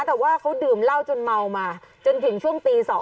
แต่ว่าเขาดื่มเหล้าจนเมามาจนถึงช่วงตี๒